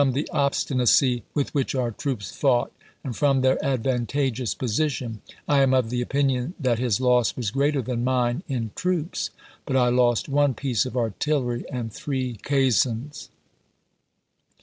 the obstinacy with which our troops fought, and from ^^^ their advantageous position, I am of the opinion that his ^a'r^j^'' loss was greater than mine in troops, but I lost one piece p. 379. ' of artillery and three caissons.